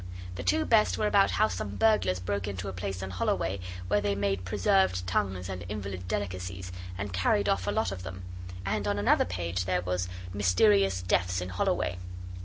The two best were about how some burglars broke into a place in Holloway where they made preserved tongues and invalid delicacies, and carried off a lot of them. And on another page there was, 'Mysterious deaths in Holloway.